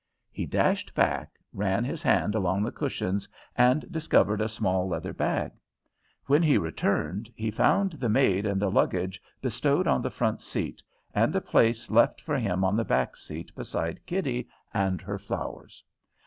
He dashed back, ran his hand along the cushions, and discovered a small leather bag. When he returned he found the maid and the luggage bestowed on the front seat, and a place left for him on the back seat beside Kitty and her flowers.